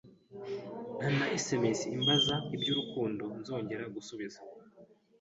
nta na sms imbaza iby’urukundo nzongera gusubiza,